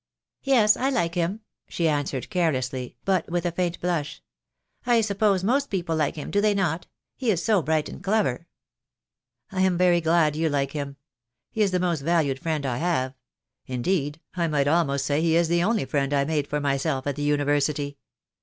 "Yes, I like him," she answered, carelessly, but with a faint blush. "I suppose most people like him, do they not? He is so bright and clever." "I am very glad you like him. He is the most valued friend I have — indeed, I might almost say he is the only friend I made for myself at the University.